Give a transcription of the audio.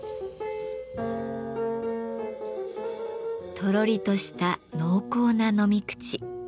とろりとした濃厚な飲み口。